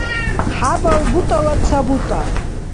хӀябал бутӀала ца бутӀа